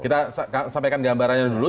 kita sampaikan gambarannya dulu